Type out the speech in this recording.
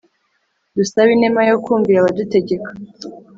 dusabe inema yo kumvira abadutegeka